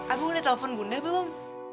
abu udah telepon bunda belum